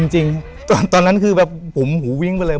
จริงตอนนั้นคือแบบผมหูวิ้งไปเลย